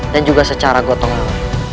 dan juga secara gotongan